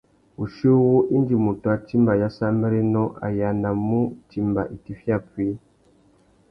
Wuchiuwú, indi mutu a timba ayássámbérénô, a yānamú timba itifiya puï.